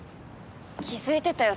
気付いてたよ